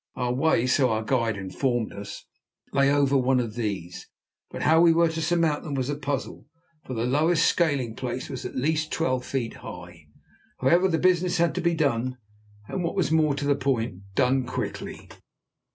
Our way, so our guide informed us, lay over one of these. But how we were to surmount them was a puzzle, for the lowest scaling place was at least twelve feet high. However, the business had to be done, and, what was more to the point, done quickly.